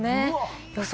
予想